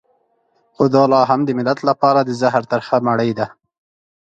خو دا لا هم د ملت لپاره د زهر ترخه مړۍ ده.